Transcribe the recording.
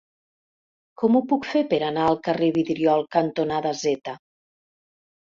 Com ho puc fer per anar al carrer Vidriol cantonada Z?